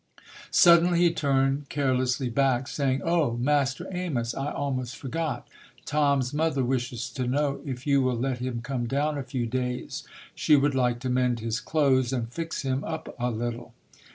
Suddenly he turned carelessly back, saying, "Oh, Master Amos, I almost forgot. Tom's mother wishes to know if you will let him come down a few days ; she would like to mend his clothes and fix him up a little".